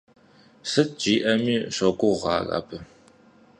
Сыт жиӏэми щогугъ ар абы.